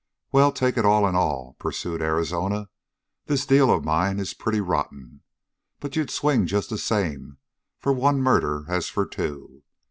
"Well, take it all in all," pursued Arizona, "this deal of mine is pretty rotten, but you'd swing just the same for one murder as for two.